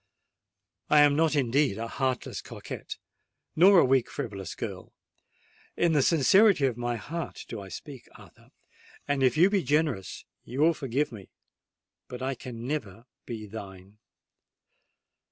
"I am not indeed a heartless coquette—nor a weak frivolous girl:—in the sincerity of my heart do I speak, Arthur;—and if you be generous you will forgive me—but I never can be thine!"